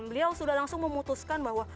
beliau sudah langsung memutuskan bahwa